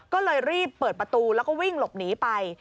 ก็เลยรีบเปิดประตูแล้วก็วิ่งหลบหนีไป